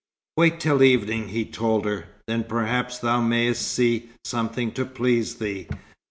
"Wait till evening," he told her. "Then perhaps thou mayest see something to please thee."